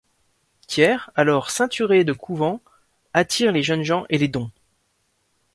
Thiers, alors ceinturée de couvents, attire les jeunes gens et les dons.